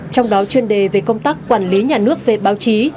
trong đó chuyên đề về công tác quản lý nhà nước về báo chí